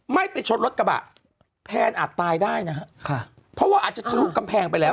ไม่ไปชดรถกระบะแพนอาจตายได้นะฮะค่ะเพราะว่าอาจจะทะลุกำแพงไปแล้ว